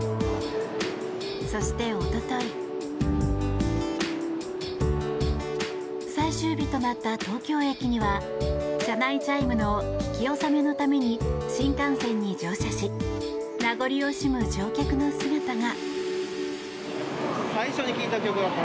そして一昨日最終日となった東京駅には車内チャイムの聞き納めのために新幹線に乗車し名残惜しむ乗客の姿が。